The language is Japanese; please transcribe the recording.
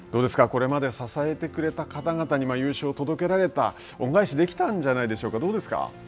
これまで支えてくれた方々に優勝を届けられた、恩返しができたんじゃないでしょうか、どうですか。